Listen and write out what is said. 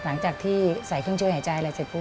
หลังจากที่ใส่เครื่องเชื้อหายใจแล้วเสร็จปุ๊บ